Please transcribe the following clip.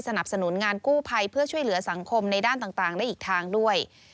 สนุนงานกู้ภัยเพื่อช่วยเหลือสังคมในด้านต่างได้อีกทางด้วย